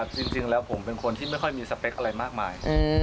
จริงแล้วผมเป็นคนที่ไม่ค่อยมีสเปคอะไรมากมาย